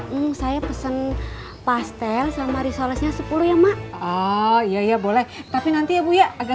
rung saya pesen pastel sama risoleknya sepuluh ya mak oh iya boleh tapi nanti abunya agak